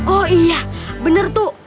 oh iya bener tuh